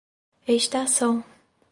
Estação